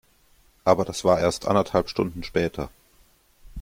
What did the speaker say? Aber das war erst anderthalb Stunden später.